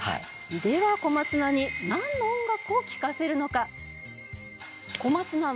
では小松菜になんの音楽を聞かせるのか？